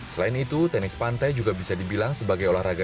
selain itu tenis pantai juga bisa dibilang sebagai olahraga